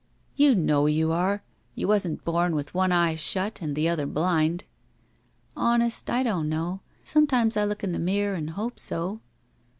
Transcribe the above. You know you are. You wasn't bom with one eye shut and the other blind." "Honest, I don't know. Sometimes I look in the mirror and hope so."